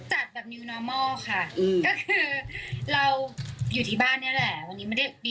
หาพี่แอมให้อะไรเอ่ยคะ